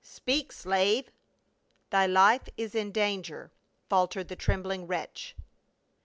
" Speak, slave." "Thy life is in danger," faltered the trembling wretch.